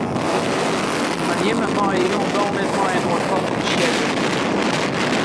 Mar jimme meie hielendal net mei-inoar kommunisearje.